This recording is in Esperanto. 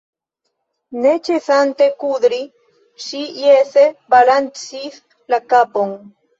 Ne ĉesante kudri, ŝi jese balancis la kapon.